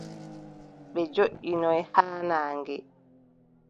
Ɓe joʼinoyi haa naange.